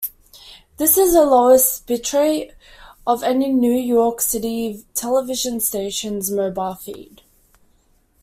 This is the lowest bitrate of any New York City television station's mobile feed.